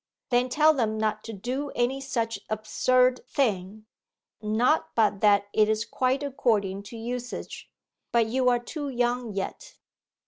'Then tell them not to do any such absurd thing not but that it is quite according to usage; but you are too young yet.